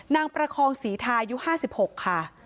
ประคองศรีทายุ๕๖ค่ะ